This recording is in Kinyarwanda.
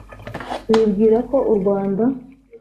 bibwira ko u rwanda